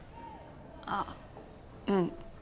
あっうん。